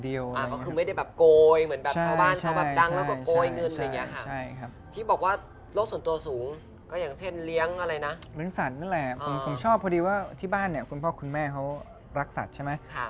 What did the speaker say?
เลี้ยงสัตว์นั่นแหละผมชอบพอดีว่าที่บ้านเนี่ยคุณพ่อคุณแม่เขารักสัตว์ใช่ไหม